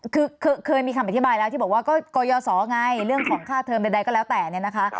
คือเคยมีคำอธิบายแล้วที่บอกว่าก็กรยศไงเรื่องของค่าเทอมใดก็แล้วแต่เนี่ยนะคะ